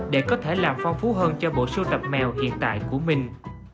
để có thể làm phong phú hơn cho bộ sưu tập mèo hiện tại của mình